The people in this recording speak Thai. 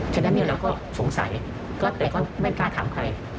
ฉะนั้นเราก็สงสัยแต่ก็ไม่กล้าถามใคร